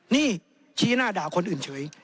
นี่ชี้หน้าด่าคนอื่นเฉย